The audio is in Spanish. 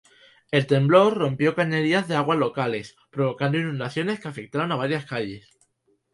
El temblor rompió cañerías de agua locales, provocando inundaciones que afectaron a varias calles.